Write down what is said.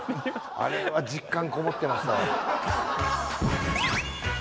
あれは実感こもってましたわ。